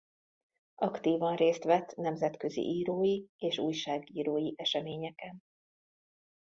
Aktívan részt vett nemzetközi írói és újságírói eseményeken.